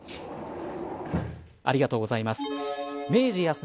ありがとうございます。